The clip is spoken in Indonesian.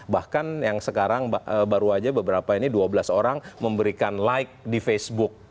bahkan yang sekarang baru aja beberapa ini dua belas orang memberikan like di facebook